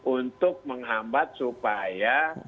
untuk menghambat supaya